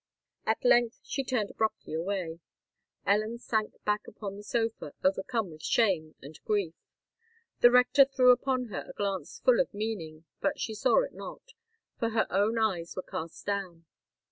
At length she turned abruptly away. Ellen sank back upon the sofa, overcome with shame and grief. The rector threw upon her a glance full of meaning; but she saw it not—for her own eyes were cast down.